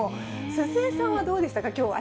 鈴江さんはどうでしたか？